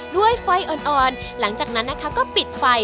ด้วยไฟอ่อนหลังจากนั้นนะคะก็ปิดไฟ